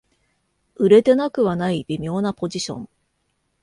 売れてなくはない微妙なポジション